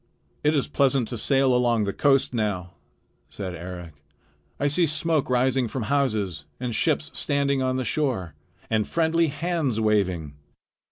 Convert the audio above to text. "It is pleasant to sail along the coast now," said Eric. "I see smoke rising from houses and ships standing on the shore and friendly hands waving."